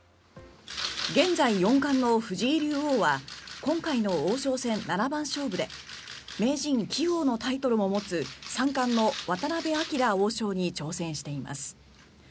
現在、四冠の藤井竜王は今回の王将戦七番勝負で名人、棋王のタイトルも持つ三冠の渡辺明王将に挑戦しています。